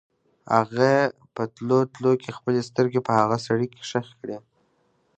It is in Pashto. هغې په تلو تلو کې خپلې سترګې په هغه سړي کې ښخې کړې.